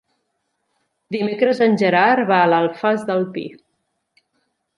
Dimecres en Gerard va a l'Alfàs del Pi.